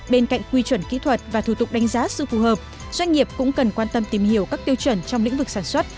bên cạnh quy chuẩn kỹ thuật và thủ tục đánh giá sự phù hợp doanh nghiệp cũng cần quan tâm tìm hiểu các tiêu chuẩn trong lĩnh vực sản xuất